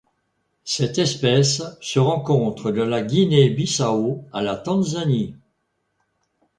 Cette espèce se rencontre de la Guinée-Bissau à la Tanzanie.